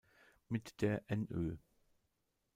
Mit der NÖ.